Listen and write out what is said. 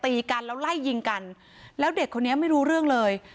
ตีกันแล้วไล่ยิงกันแล้วเด็กคนนี้ไม่รู้เรื่องเลย